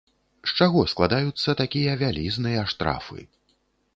З чаго складаюцца такія вялізныя штрафы?